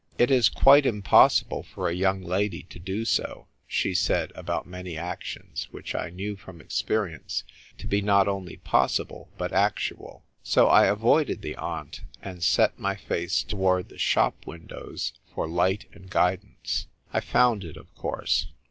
" It is quite impossible for a young lady to do so," she said about many actions which I knew from experience to be not only possible but actual. So I avoided the aunt, and set my face toward the shop windows for light and guidance. I found it, of course.